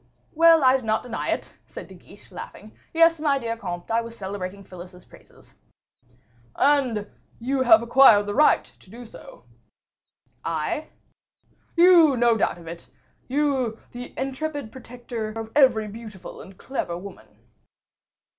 "Well, I do not deny it," said De Guiche, laughing. "Yes, my dear comte, I was celebrating Phyllis's praises." "And you have acquired the right to do so." "I?" "You; no doubt of it. You; the intrepid protector of every beautiful and clever woman."